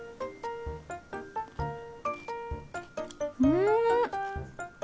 うん！